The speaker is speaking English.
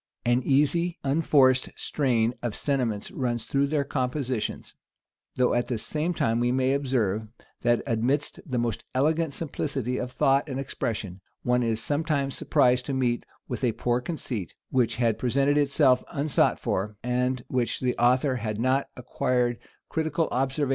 An easy, unforced strain of sentiment runs through their compositions; though at the same time we may observe, that, amidst the most elegant simplicity of thought and expression, one is sometimes surprised to meet with a poor conceit, which had presented itself unsought for, and which the author had not acquired critical observation enough to condemn.